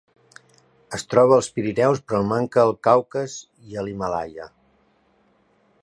Es troba als Pirineus però manca al Caucas i l'Himàlaia.